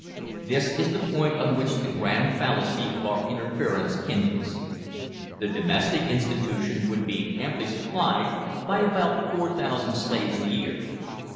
This is the point on which the grand fallacy of our interference hinges. The "domestic institution" would be amply supplied by about 4000 slaves a year.